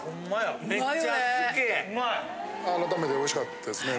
改めておいしかったですね。